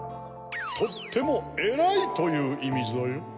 「とってもえらい」といういみぞよ。